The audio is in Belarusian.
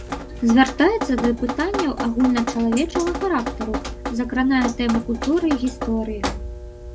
Звяртаецца да пытанняў агульначалавечага характару, закранае тэмы культуры і гісторыі.